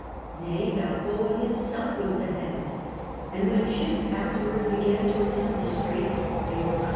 Nay, Balboa bbn se// was beheaded. And when ships afterwards began to attempt tlic straits, they were con.